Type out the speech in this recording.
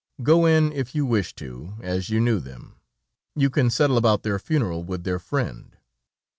"Go in if you wish to, as you knew them. You can settle about their funeral with their friend."